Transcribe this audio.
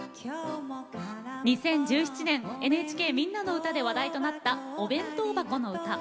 ２０１７年ＮＨＫ「みんなのうた」で話題となった「お弁当ばこのうた」。